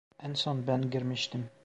En son ben girmiştim.